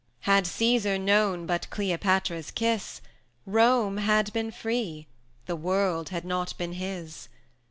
Had Cæsar known but Cleopatra's kiss, Rome had been free, the world had not been his.